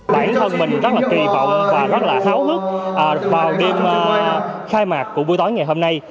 bản thân mình rất là kỳ vọng và rất là háo hức qua đêm khai mạc của buổi tối ngày hôm nay